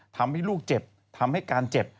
ทำให้ลูกเจ็บทำให้การเจ็บ